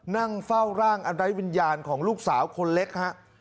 นั่งเฝ้าร่างอันไร้วิญญาณของลูกสาวคนเล็กฮะ